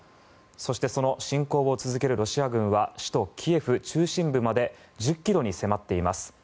そしてその侵攻を続けるロシア軍は首都キエフ中心部まで１０ｋｍに迫っています。